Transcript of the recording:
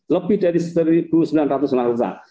lebih dari satu sembilan ratus orang rusak